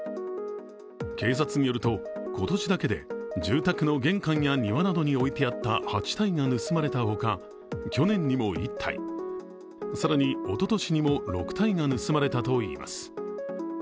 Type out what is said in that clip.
警察によると、今年だけで住宅の玄関や庭などに置いてあった８体が盗まれたほか、去年にも１体、更におととしにも６体が盗まれたといいます。